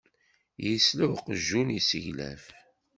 Yesla i uqjun yesseglaf.